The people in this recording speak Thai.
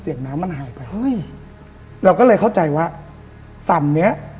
น้ำมันหายไปเฮ้ยเราก็เลยเข้าใจว่าสั่นเนี้ย